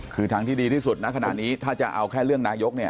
คือทางที่ดีที่สุดนะขณะนี้ถ้าจะเอาแค่เรื่องนายกเนี่ย